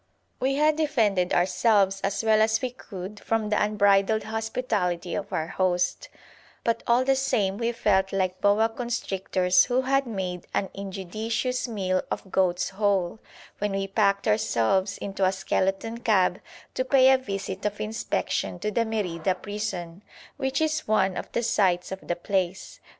We had defended ourselves as well as we could from the unbridled hospitality of our host, but all the same we felt like boa constrictors who had made an injudicious meal of goats whole, when we packed ourselves into a skeleton cab to pay a visit of inspection to the Merida prison, which is one of the sights of the place.